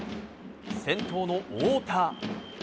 先頭の太田。